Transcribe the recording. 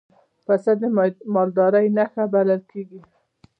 پسه د مالدارۍ نښه بلل کېږي.